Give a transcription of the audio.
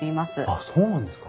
あっそうなんですか。